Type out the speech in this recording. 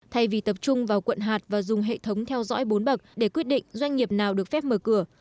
thay vì tập trung vào quận hạt và dùng hệ thống theo dõi bốn bậc để quyết định doanh nghiệp nào được phép mở cửa